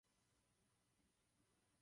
Byl autorem sbírky pověr a pověstí.